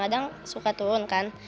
kadang suka turun kan